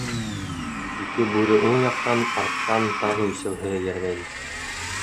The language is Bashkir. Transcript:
Ике бүре уң яҡтан, арттан тағы өсәүһе эйәргәйне.